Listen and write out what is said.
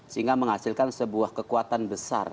sehingga menghasilkan sebuah kekuatan besar